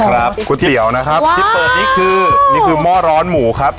ก๋วยเตี๋ยวนะครับที่เปิดนี่คือนี่คือหม้อร้อนหมูครับ